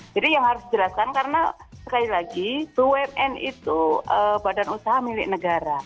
jadi yang harus dijelaskan karena sekali lagi bumn itu badan usaha milik negara